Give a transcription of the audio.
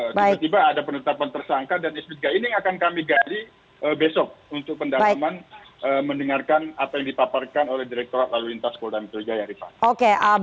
tiba tiba ada penetapan tersangka dan sp tiga ini yang akan kami gali besok untuk pendatangan mendengarkan apa yang dipaparkan oleh direkturat alulintas polda mitrujaya rifat